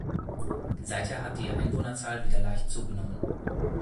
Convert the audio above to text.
Seither hat die Einwohnerzahl wieder leicht zugenommen.